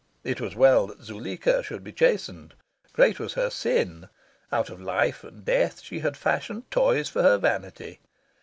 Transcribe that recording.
It was well that Zuleika should be chastened. Great was her sin. Out of life and death she had fashioned toys for her vanity.